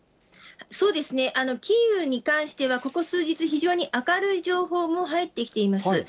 そうですね、キーウに関しては、ここ数日、非常に明るい情報も入ってきています。